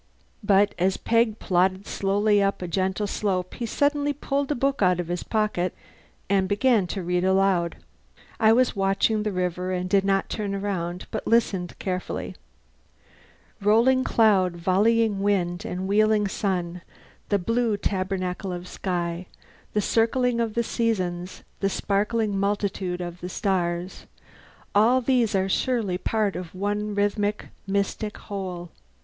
But as Peg plodded slowly up a gentle slope he suddenly pulled a book out of his pocket and began to read aloud. I was watching the river, and did not turn round, but listened carefully: "Rolling cloud, volleying wind, and wheeling sun the blue tabernacle of sky, the circle of the seasons, the sparkling multitude of the stars all these are surely part of one rhythmic, mystic whole.